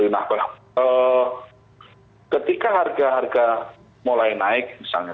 nah ketika harga harga mulai naik misalnya